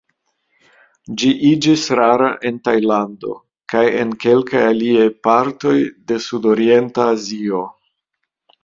Ĝi iĝis rara en Tajlando kaj en kelkaj aliaj partoj de sudorienta Azio.